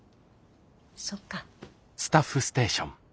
そっか。